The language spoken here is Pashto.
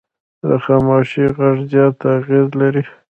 د خاموشي غږ زیات اغېز لري